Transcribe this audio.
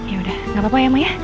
yaudah gak apa apa ya ma ya